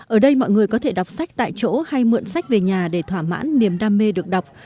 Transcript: ở đây mọi người có thể đọc sách tại chỗ hay mượn sách về nhà để thỏa mãn niềm đam mê được đọc